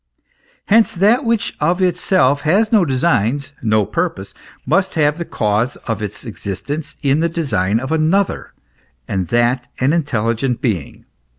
Hence that which of itself has no designs, no purpose, must have tbe cause of its existence in the design of another, and that an intelligent being.